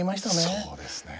そうですね。